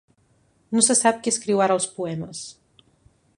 No se sap qui escriu ara els poemes.